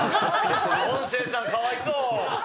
音声さん、かわいそう。